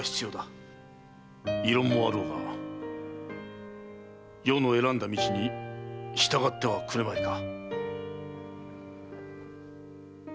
異論もあろうが余の選んだ道に従ってはくれまいか。